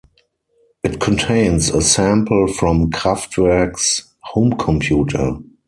It contains a sample from Kraftwerk's "Home Computer".